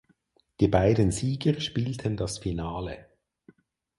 Die beiden Sieger spielten das Finale.